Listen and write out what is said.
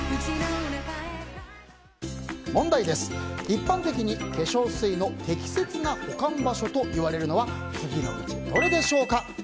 一般的に化粧水の適切な保管場所といわれるのは次のうちどれでしょうか？